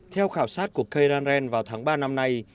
theo khảo sát của kerdan vào tháng ba năm nay